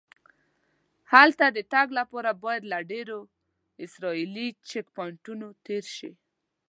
هلته د تګ لپاره باید له ډېرو اسرایلي چیک پواینټونو تېر شې.